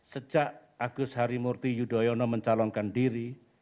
sejak agus harimurti yudhoyono mencalonkan diri